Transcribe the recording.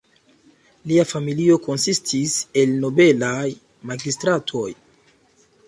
Lia familio konsistis el nobelaj magistratoj.